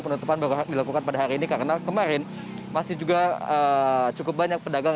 penutupan baru dilakukan pada hari ini karena kemarin masih juga cukup banyak pedagang